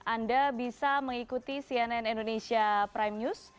anda bisa mengikuti cnn indonesia prime news